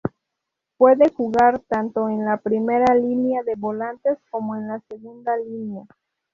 Puede jugar tanto en la primera línea de volantes, como en la segunda línea.